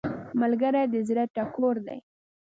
ملګری د زړه ټکور دی